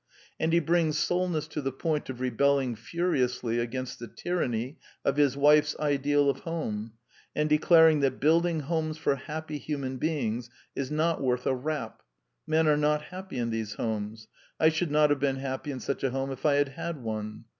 And he brings Solness to the point of rebelling furiously against the tyranny of his wife's ideal of home, and declaring that building homes for happy human beings is not worth a rap : men are not happy in these homes : I should not have been happy in such a home if I had had one."